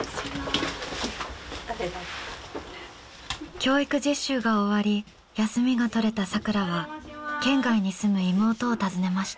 教育実習が終わり休みがとれたさくらは県外に住む妹を訪ねました。